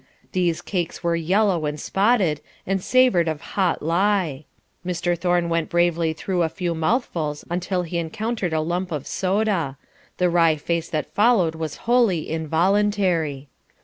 These cakes were yellow and spotted, and savoured of hot lye. Mr. Thorne went bravely through a few mouthfuls until he encountered a lump of soda; the wry face that followed was wholly involuntary.